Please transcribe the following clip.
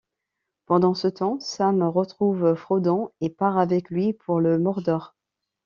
Pendant ce temps, Sam retrouve Frodon et part avec lui pour le Mordor.